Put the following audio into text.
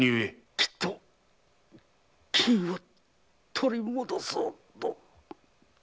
きっと金を取り戻そうと。